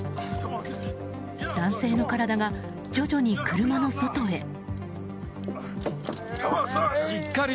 男性の体が徐々に車の外へ。